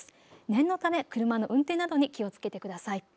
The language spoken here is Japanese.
念のため車の運転などに気をつけてください。